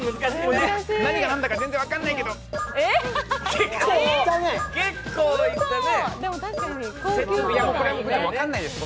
何が何だか全然分かんないけど結構いったね。